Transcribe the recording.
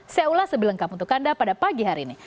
saya ulas lebih lengkap untuk anda pada pagi hari ini